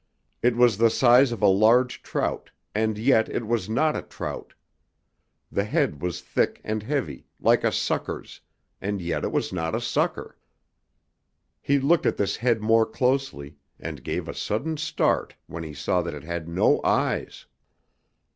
It was the size of a large trout, and yet it was not a trout. The head was thick and heavy, like a sucker's, and yet it was not a sucker. He looked at this head more closely, and gave a sudden start when he saw that it had no eyes!